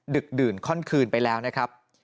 ดึกดื่นข้อนคืนไปแล้วนะครับ